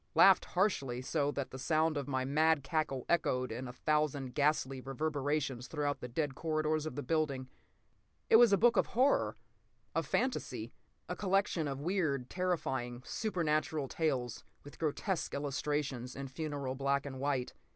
Laughed harshly, so that the sound of my mad cackle echoed in a thousand ghastly reverberations through the dead corridors of the building. It was a book of horror, of fantasy. A collection of weird, terrifying, supernatural tales with grotesque illustrations in funereal black and white.